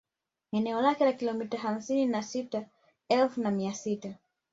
Eneo lake ni kilomita hamsini na sita elfu na mia sita